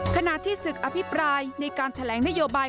ขณะที่ศึกอภิปรายในการแถลงนโยบาย